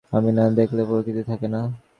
আমি না দেখলে প্রকৃতি থাকে না।